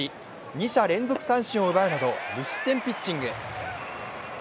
二者連続三振を奪うなど無失点ピッチング。